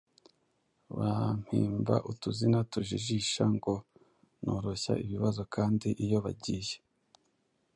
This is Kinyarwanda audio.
Bampimba utuzina tujijisha ngo noroshya ibibazo kandi iyo bagiye